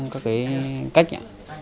các cái cách